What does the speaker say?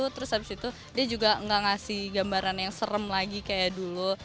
terus habis itu dia juga nggak ngasih gambaran yang serem lagi kayak dulu